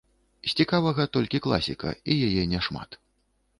З цікавага толькі класіка, і яе няшмат.